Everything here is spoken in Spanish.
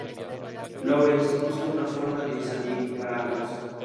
Lawrence busca una forma de salir para ambos.